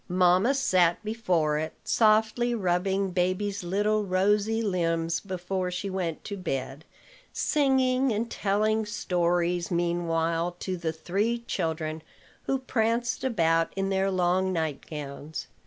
Mamma sat before it, softly rubbing baby's little rosy limbs before she went to bed, singing and telling stories meanwhile to the three children who pranced about in their long nightgowns.